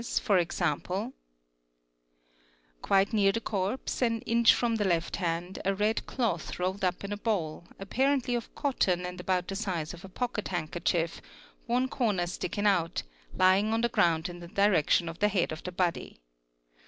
— "Quite near the corpse, an inch from the left hand, a red cloth rolled up in a ball, apparently of cotton and about the size of a pocket handkerchief, one corner sticking out, lying on the ground in the direction of the head of the body.